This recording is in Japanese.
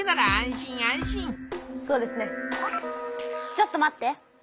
ちょっと待って。